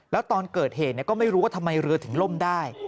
แล้วตอนเกิดเหตุก็ไม่รู้ว่าทำไมเรือถึงล่มได้